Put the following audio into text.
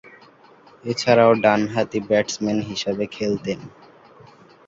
এছাড়াও, ডানহাতি ব্যাটসম্যান হিসেবে খেলতেন।